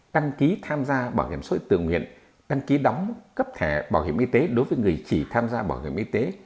đăng ký tham gia bảo hiểm xã hội tự nguyện đăng ký đóng cấp thẻ bảo hiểm y tế đối với người chỉ tham gia bảo hiểm y tế